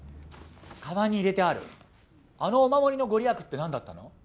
カバンに入れてあるあのお守りの御利益って何だったの？